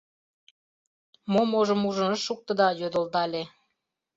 Мо-можым ужын ыш шукто да йодылдале: